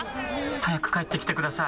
早く帰ってきてください！